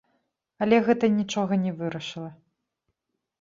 Але гэта нічога не вырашыла.